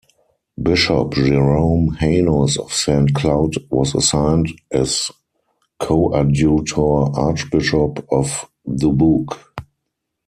Bishop Jerome Hanus of Saint Cloud was assigned as Coadjutor Archbishop of Dubuque.